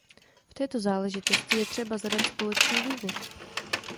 V této záležitosti je třeba zadat společný důvod.